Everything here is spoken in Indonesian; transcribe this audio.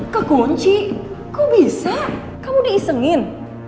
kekunci kok bisa kamu diisengin